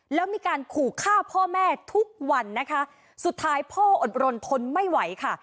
แล้วมีการขู่ฆ่าพ่อแม่ทุกวันนะคะสุดท้ายพ่ออดรนทนไม่ไหวค่ะ